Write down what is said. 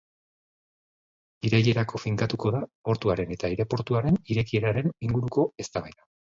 Irailerako finkatuko da portuaren eta aireportuaren irekieraren inguruko eztabaida.